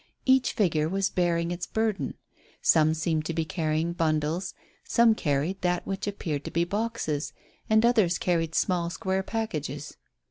Each figure was bearing its burden. Some seemed to be carrying bundles, some carried that which appeared to be boxes, and others carried small square packages.